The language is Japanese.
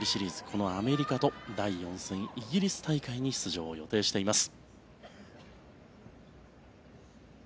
このアメリカと第４戦イギリス大会に出場を予定しています。